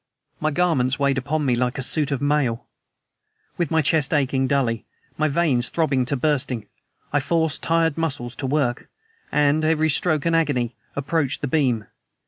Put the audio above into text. My garments weighed upon me like a suit of mail; with my chest aching dully, my veins throbbing to bursting, I forced tired muscles to work, and, every stroke an agony, approached the beam.